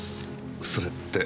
それって。